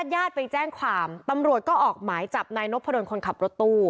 ญาติไปแจ้งความตำรวจก็ออกหมายจับนายนพดลคนขับรถตู้